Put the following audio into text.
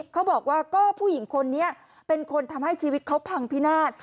เขาบอกว่าก็ผู้หญิงคนนี้เป็นคนทำให้ชีวิตเขาพังพินาศ